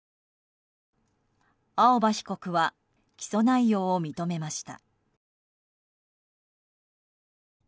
青葉被告は起訴内容を認めました。